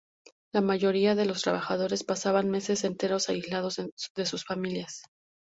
La mayoría de los trabajadores pasaban meses enteros aislados de sus familias.